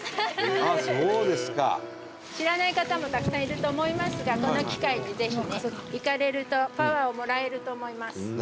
知らない方もたくさんいると思いますがこの機会にぜひね行かれるとパワーをもらえると思います。